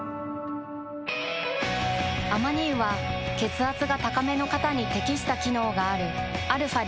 アマニ油は血圧が高めの方に適した機能があるαー